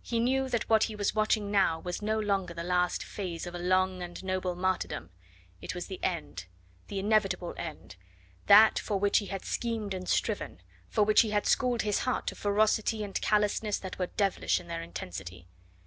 He knew that what he was watching now was no longer the last phase of a long and noble martyrdom; it was the end the inevitable end that for which he had schemed and striven, for which he had schooled his heart to ferocity and callousness that were devilish in their intensity.